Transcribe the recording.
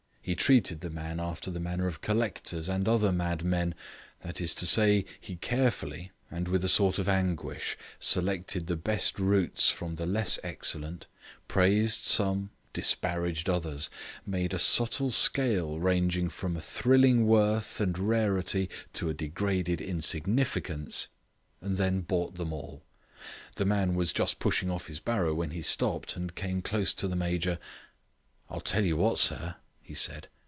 He treated the man after the manner of collectors and other mad men, that is to say, he carefully and with a sort of anguish selected the best roots from the less excellent, praised some, disparaged others, made a subtle scale ranging from a thrilling worth and rarity to a degraded insignificance, and then bought them all. The man was just pushing off his barrow when he stopped and came close to the Major. "I'll tell you what, sir," he said.